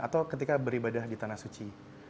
atau ketika beribadah di tanah suci